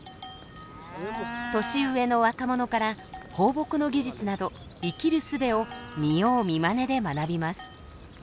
年上の若者から放牧の技術など生きるすべを見よう見まねで学びます。